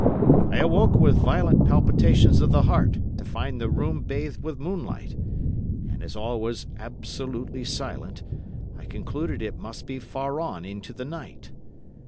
I awoke with violent palpitations of the heart to find the room bathed with moonlight; and, as all was absolutely silent, I concluded it must be far on into the night.